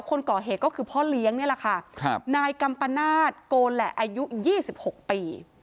คนก่อเหตุก็คือพ่อเลี้ยงนี่แหละค่ะครับนายกัมปนาศโกแหละอายุ๒๖ปี